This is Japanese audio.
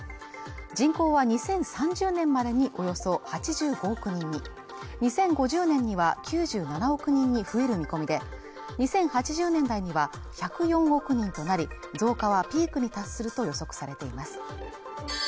人口は２０３０年までにおよそ８５億人に２０５０年には９７億人に増える見込みで２０８０年代には１０４億人となり増加はピークに達すると予測されています